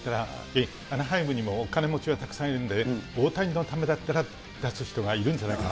アナハイムにもお金持ちはたくさんいるんで、大谷のためだったら出す人がいるんじゃないかな。